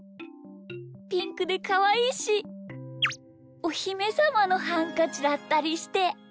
ピンクでかわいいしおひめさまのハンカチだったりして。